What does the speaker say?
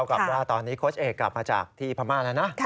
กับว่าตอนนี้โค้ชเอกกลับมาจากที่พม่าแล้วนะ